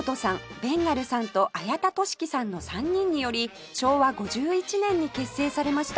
ベンガルさんと綾田俊樹さんの３人により昭和５１年に結成されました